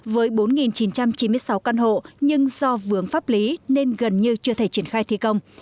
với bốn chín trăm chín mươi sáu căn hộ nhưng do vướng pháp lý nên gần như chưa thể triển khai thi công